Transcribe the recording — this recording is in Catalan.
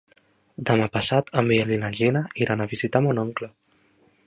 Demà passat en Biel i na Gina iran a visitar mon oncle.